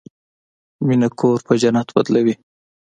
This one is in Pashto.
مینه کور په جنت بدلوي.